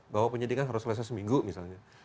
bahwa penyidikan harus selesai seminggu misalnya